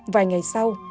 vài ngày sau